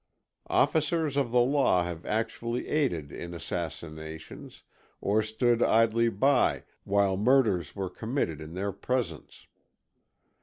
Officers of the law have actually aided in assassinations, or stood idly by while murders were committed in their presence.